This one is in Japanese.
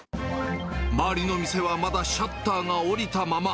周りの店はまだシャッターが下りたまま。